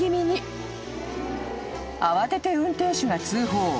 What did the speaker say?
［慌てて運転手が通報］